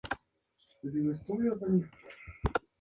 Desde el propio Sahara se exportaba sal.